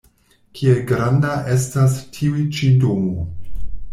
Kiel granda estas tiu-ĉi domo?